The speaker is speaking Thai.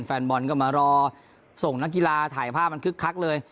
แฟนบอลก็มารอส่งนักกีฬาถ่ายภาพมันคึกคักเลย